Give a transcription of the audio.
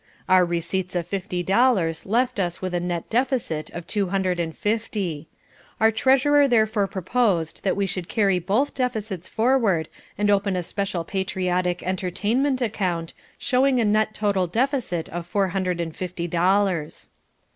Our receipts of fifty dollars left us with a net deficit of two hundred and fifty. Our treasurer therefore proposed that we should carry both deficits forward and open a Special Patriotic Entertainment Account showing a net total deficit of four hundred and fifty dollars.